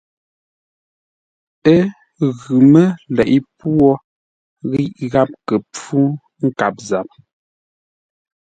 Ə́ ghʉ mə́ leʼé pwô ghíʼ gháp kə́ pfú nkâp záp.